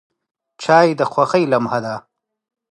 چای د خوښۍ لمحه ده.